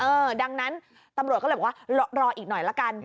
ดังนั้นตำรวจก็เลยบอกว่ารออีกหน่อยละกัน